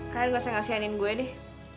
kalian gak usah ngasihainin gue deh